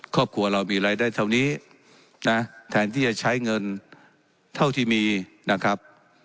ครอบครัวเรามีรายได้เท่านี้นะแทนที่จะใช้เงินเท่าที่มีนะครับ